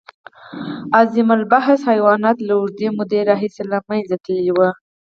عظیم الجثه حیوانات له اوږدې مودې راهیسې له منځه تللي وو.